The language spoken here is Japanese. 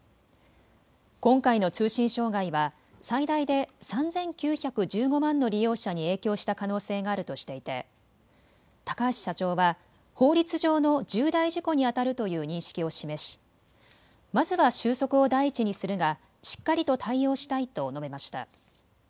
今回の通信障害は最大で３９１５万の利用者に影響した可能性があるとしていて高橋社長は法律上の重大事故にあたるという認識を示しまずは収束を第一にするがしっかりと対応したいと述べました。